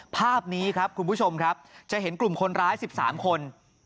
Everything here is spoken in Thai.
ภาพนี้ครับคุณผู้ชมครับจะเห็นกลุ่มคนร้าย๑๓คน